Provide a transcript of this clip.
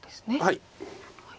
はい。